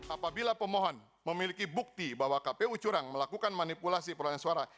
apabila pemohon memiliki bukti bahwa kpu curang melakukan manipulasi perolahan suara